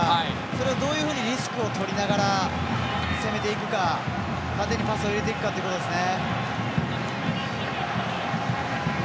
それをどういうふうにリスクをとりながら攻めていくか縦にパスを入れていくかということですね。